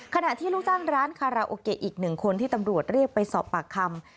ขณะที่ลูกจ้างร้านคาราโอเกะอีกหนึ่งคนที่ตำรวจเรียกไปสอบปากคำ